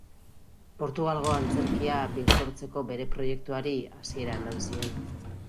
Portugalgo antzerkia birsortzeko bere proiektuari hasiera eman zion.